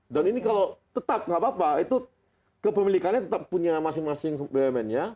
dan ini kalau tetap tidak apa apa kepemilikannya tetap punya masing masing bmn nya